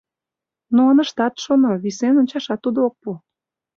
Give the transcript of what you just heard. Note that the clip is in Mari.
Но ыныштат шоно, висен ончашат тудо ок пу.